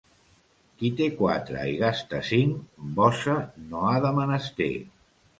Qui té quatre i gasta cinc, bossa no ha de menester.